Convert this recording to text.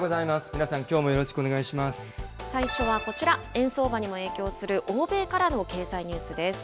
皆さん、最初はこちら、円相場にも影響する欧米からの経済ニュースです。